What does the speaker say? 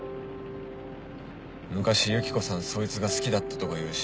昔ユキコさんそいつが好きだったとかいうし